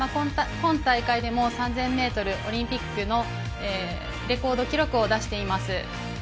今大会でも３０００ｍ、オリンピックのレコード記録を出しています。